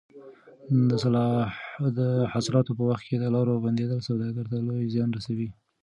د حاصلاتو په وخت کې د لارو بندېدل سوداګرو ته لوی زیان رسوي.